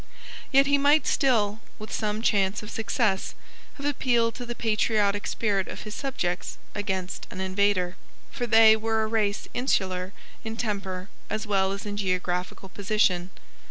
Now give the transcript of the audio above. Yet he might still, with some chance of success, have appealed to the patriotic spirit of his subjects against an invader. For they were a race insular in temper as well as in geographical position.